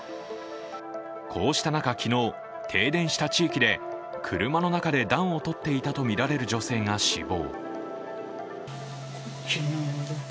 こうした中、昨日、停電した地域で車の中で暖をとっていたとみられる女性が死亡。